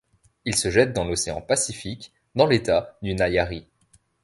Il se jette dans l'océan Pacifique dans l'État du Nayarit.